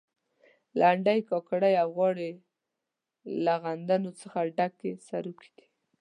لنډۍ، کاکړۍ او غاړې له غندنو څخه ډک سروکي دي.